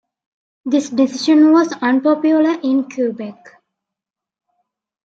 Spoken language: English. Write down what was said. This decision was unpopular in Quebec.